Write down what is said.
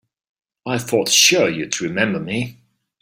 I thought sure you'd remember me.